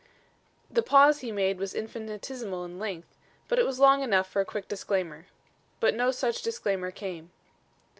The pause he made was infinitesimal in length, but it was long enough for a quick disclaimer. But no such disclaimer came.